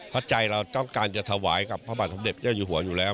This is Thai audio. เพราะใจเราต้องการจะถวายกับพระบาทสมเด็จเจ้าอยู่หัวอยู่แล้ว